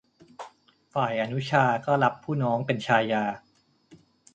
ฝ่ายอนุชาก็รับผู้น้องเป็นชายา